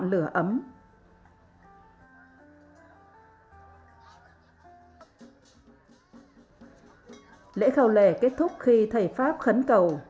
lễ khẩu lệ kết thúc khi thầy pháp khấn cầu